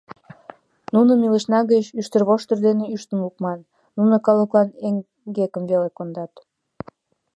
Нуным илышна гыч ӱштервоштыр дене ӱштын лукман, нуно калыклан эҥгекым веле кондат.